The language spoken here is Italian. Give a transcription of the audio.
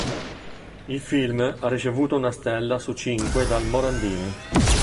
Il film ha ricevuto una stella su cinque dal Morandini.